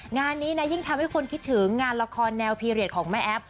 งานนี้นะยิ่งทำให้คนคิดถึงงานละครแนวพีเรียสของแม่แอฟ